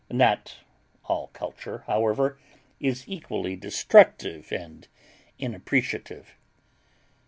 Not all culture, however, is equally destructive and inappreciative.